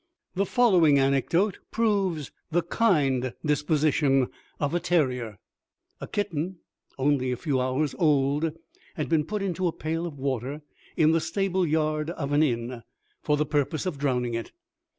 The following anecdote proves the kind disposition of a terrier. A kitten, only a few hours old, had been put into a pail of water, in the stable yard of an inn, for the purpose of drowning it.